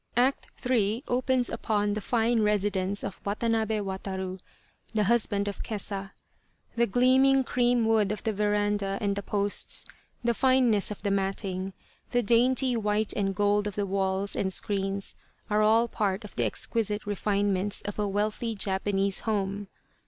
ACT III opens upon the fine residence of Watanabe Wataru, the husband of Kesa. The gleaming cream wood of the veranda and the posts, the fineness of the matting, the dainty white and gold of the walls and screens are all part of the exquisite refinements of a wealthy Japanese home.